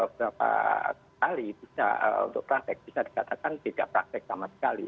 berapa kali bisa untuk praktek bisa dikatakan tidak praktek sama sekali